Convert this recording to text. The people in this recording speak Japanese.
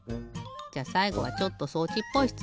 じゃさいごはちょっと装置っぽいしつもん